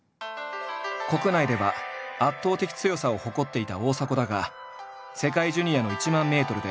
国内では圧倒的強さを誇っていた大迫だが世界ジュニアの１００００ｍで８位。